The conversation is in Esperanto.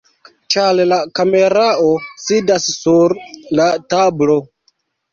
ĉar la kamerao sidas sur la tablo